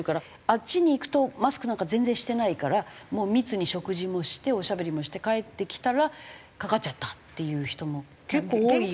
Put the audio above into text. あっちに行くとマスクなんか全然してないから密に食事もしておしゃべりもして帰ってきたらかかっちゃったっていう人も結構多いように。